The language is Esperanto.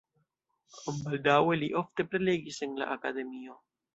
Baldaŭe li ofte prelegis en la akademio.